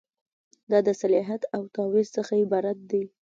دا د صلاحیت د تعویض څخه عبارت دی.